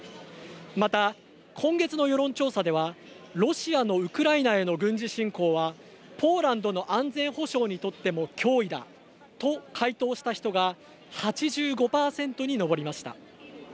また今月の世論調査では「ロシアのウクライナへの軍事侵攻はポーランドの安全保障にとっても脅威だ」と回答した人が８５％に上りました。